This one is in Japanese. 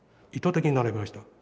意図的に並べました。